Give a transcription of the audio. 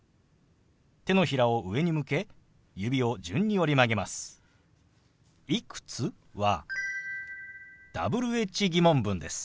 手のひらを上に向け指を順に折り曲げます。